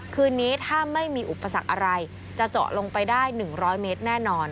คืนนี้ถ้าไม่มีอุปสรรคอะไรจะเจาะลงไปได้๑๐๐เมตรแน่นอน